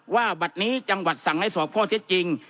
บัตรนี้จังหวัดสั่งให้สอบข้อเท็จจริง